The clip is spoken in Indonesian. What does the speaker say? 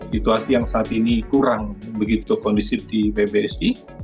situasi yang saat ini kurang begitu kondisif di pbsi